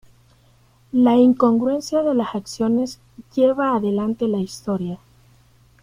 La incongruencia de las acciones lleva adelante la historia.